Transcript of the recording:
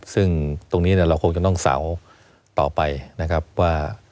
ซึ่งตรงนี้เราคงจะต้องเสาต่อไปนะครับว่า